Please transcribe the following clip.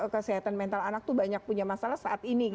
kesehatan mental anak itu banyak punya masalah saat ini